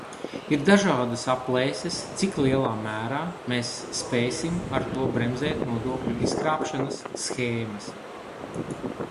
Ir dažādas aplēses, cik lielā mērā mēs spēsim ar to bremzēt nodokļu izkrāpšanas shēmas.